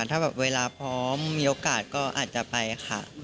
ถ้าแบบเวลาพร้อมมีโอกาสก็อาจจะไปค่ะ